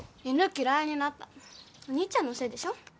犬嫌いになったのお兄ちゃんのせいでしょ？